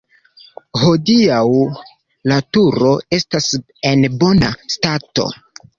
Hodiaŭ la turo estas en bona stato.